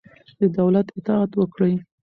د دولت اطاعت وکړئ.